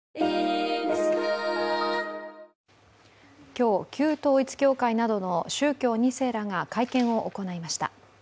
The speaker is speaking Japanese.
今日、旧統一教会などの宗教２世らが会見を行いました。